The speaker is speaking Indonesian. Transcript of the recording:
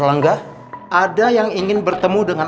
lagi banyak berhenti